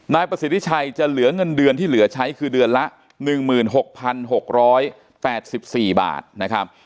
นายประสิทธิชัยจะเหลือเงินเดือนที่เหลือใช้คือเดือนละ๑๖๖๘๔บาทนะครับ